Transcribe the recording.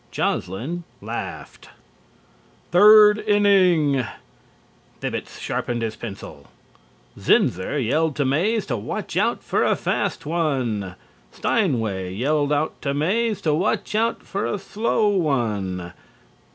Joslin laughed. THIRD INNING: Thibbets sharpened his pencil. Zinnzer yelled to Mays to watch out for a fast one. Steinway yelled to Mays to watch out for a slow one.